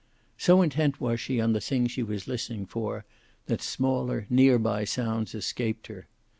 So intent was she on the thing that she was listening for that smaller, near by sounds escaped her.